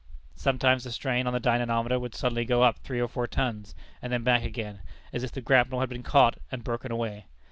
Sometimes the strain on the dynamometer would suddenly go up three or four tons, and then back again, as if the grapnel had been caught and broken away.